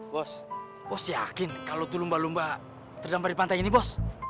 bos bos yakin kalau itu lumba lumba terdampar di pantai ini bos